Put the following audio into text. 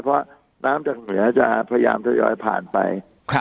เพราะน้ำจากเหนือจะพยายามทยอยผ่านไป